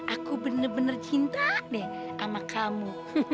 aku bener bener cinta deh sama kamu